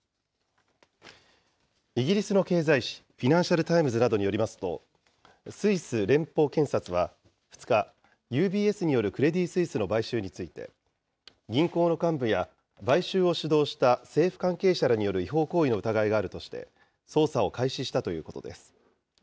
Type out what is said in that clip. イギリスの経済紙、フィナンシャル・タイムズなどによりますと、スイス連邦検察は２日、ＵＢＳによるクレディ・スイスの買収について、銀行の幹部や買収を主導した政府関係者らによる違法行為の疑いがあるとして、捜査を開始したということです。